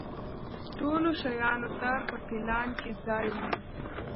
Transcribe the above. ټولو شیانو ته په پلان کې ځای و.